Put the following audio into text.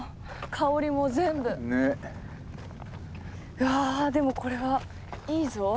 いやでもこれはいいぞ。